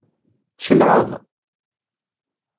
Tcelεeḍ?